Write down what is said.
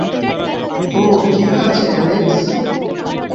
ও ঠিক আছে, অ্যালেক্স।